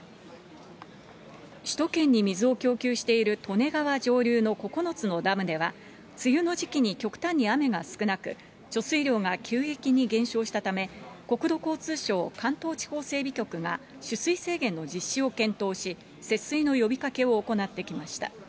首都圏に水を供給している利根川上流の９つのダムでは、梅雨の時期に極端に雨が少なく、貯水量が急激に減少したため、国土交通省関東地方整備局が取水制限の実施を検討し、節水の呼びかけを行ってきました。